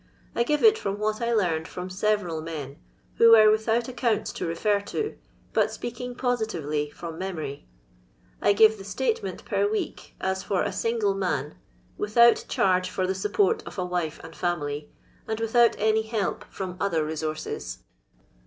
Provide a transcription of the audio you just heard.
I give it from what I learned firom several men, who were without accounts to refer to, but speak ing positively from memory ; I give the statement per week, as for a single man, witlMnt charge for the support of a wife and &mily, and without any help from other resources.